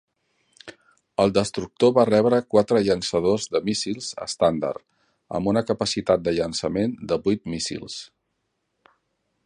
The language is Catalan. El destructor va rebre quatre llançadors de míssils estàndard amb una capacitat de llançament de vuit míssils.